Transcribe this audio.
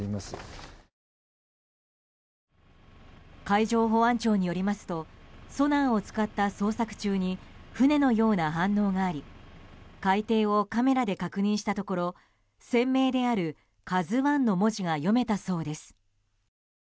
海上保安庁によりますとソナーを使った捜索中に船のような反応があり海底をカメラで確認したところ船名である「ＫＡＺＵ１」の文字が読めたそうです。